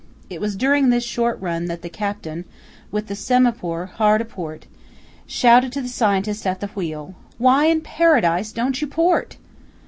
It was during this short run that the captain, with semaphore hard a port, shouted to the scientist at the wheel: "Why in Paradise don't you port!"